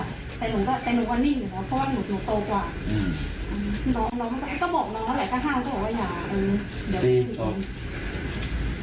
อืมเดี๋ยวไปดีกว่า